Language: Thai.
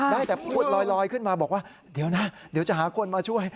ได้แต่พูดลอยขึ้นมาบอกว่าเดี๋ยวนะเดี๋ยวจะหาคนมาช่วย